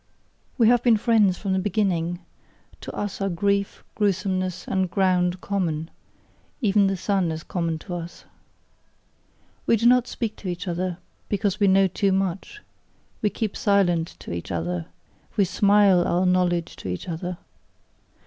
We have been friends from the beginning: to us are grief, gruesomeness, and ground common; even the sun is common to us. We do not speak to each other, because we know too much : we keep silent to each other, we smile our knowledge to each other.